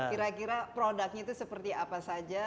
kira kira produknya itu seperti apa saja